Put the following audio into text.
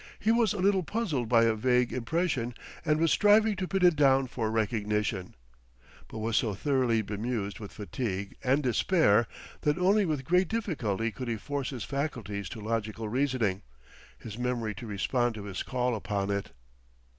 He was a little puzzled by a vague impression, and was striving to pin it down for recognition; but was so thoroughly bemused with fatigue and despair that only with great difficulty could he force his faculties to logical reasoning, his memory to respond to his call upon it.